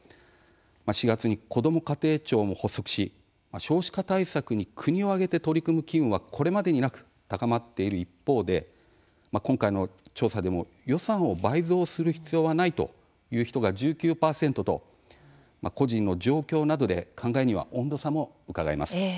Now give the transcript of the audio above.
４月に、こども家庭庁も発足し少子化対策に国を挙げて取り組む機運はこれまでになく高まっている一方で今回の調査でも「予算を倍増する必要はない」という人が１９％と個人の状況などで考えには温度差もうかがえます。